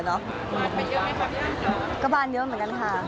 งานเยอะเหมือนกันค่ะ